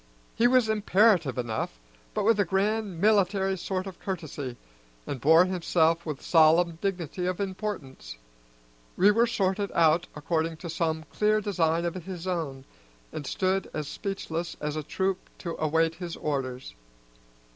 He was imperative enough, but with a grand military sort of courtesy, and bore himself with solemn dignity of importance. We were sorted out according to some clear design of his own, and stood as speechless as a troop to await his orders.